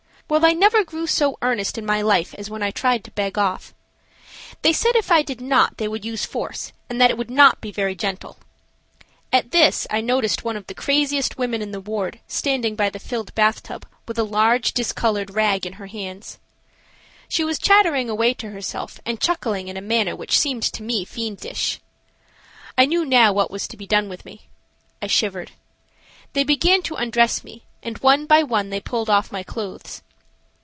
Well, I never grew so earnest in my life as when I tried to beg off. They said if I did not they would use force and that it would not be very gentle. At this I noticed one of the craziest women in the ward standing by the filled bathtub with a large, discolored rag in her hands. She was chattering away to herself and chuckling in a manner which seemed to me fiendish. I knew now what was to be done with me. I shivered. They began to undress me, and one by one they pulled off my clothes.